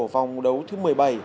vòng đấu thứ một mươi bảy